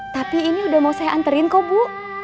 tapi ini udah mau saya anterin kok bu